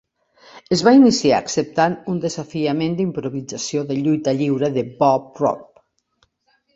Es va iniciar acceptant un desafiament d'improvisació de lluita lliure de Bob Roop.